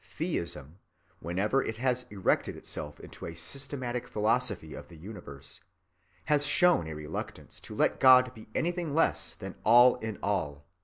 Theism, whenever it has erected itself into a systematic philosophy of the universe, has shown a reluctance to let God be anything less than All‐in‐All.